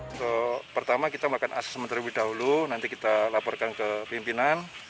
untuk pertama kita makan asas menteri lebih dahulu nanti kita laporkan ke pimpinan